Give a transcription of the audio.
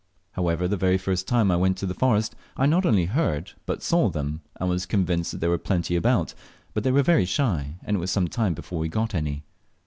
However, the very first time I went into the forest I not only heard but saw them, and was convinced there were plenty about; but they were very shy, and it was some time before we got any.